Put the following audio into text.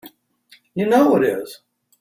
You know it is!